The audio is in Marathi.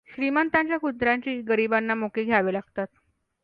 श्रीमंताच्या कुत्र्यांचेही गरिबांना मुके घ्यावे लागतात.